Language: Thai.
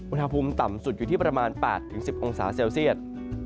อุณหภูมิต่ำสุดอยู่ที่ประมาณ๘๑๐องศาเซลเซียต